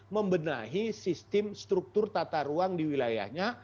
membenahi sistem struktur tata ruang di wilayahnya